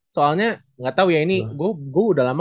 soalnya gak tau ya ini gue udah lama